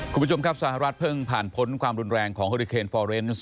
คุณผู้ชมครับสหรัฐเพิ่งผ่านพ้นความรุนแรงของเฮอริเคนฟอร์เรนซ์